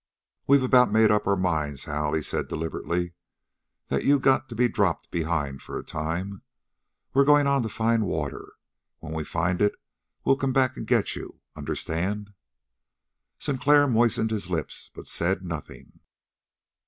"We've about made up our minds, Hal," he said deliberately, "that you got to be dropped behind for a time. We're going on to find water. When we find it we'll come back and get you. Understand?" Sinclair moistened his lips, but said nothing.